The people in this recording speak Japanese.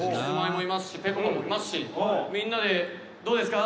「みんなでどうですか？